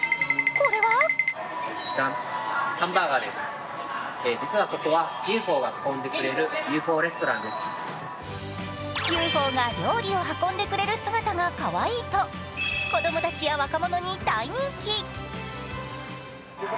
これはＵＦＯが料理を運んでくれる姿がかわいいと子供たちや若者に大人気。